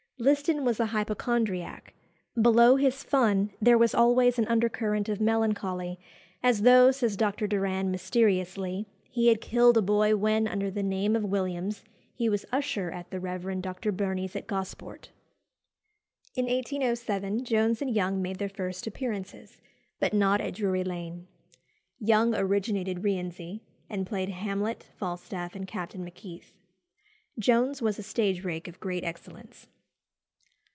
Liston was a hypochondriac; below his fun there was always an under current of melancholy, "as though," says Dr. Doran, mysteriously, "he had killed a boy when, under the name of Williams, he was usher at the Rev. Dr. Burney's at Gosport." In 1807 Jones and Young made their first appearances, but not at Drury Lane. Young originated Rienzi, and played Hamlet, Falstaff, and Captain Macheath. Jones was a stage rake of great excellence.